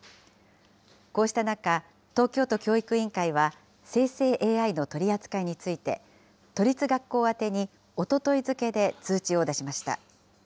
こうした中、東京都教育委員会は、生成ＡＩの取り扱いについて、都立学校宛てにおととい付けで通知を出しました。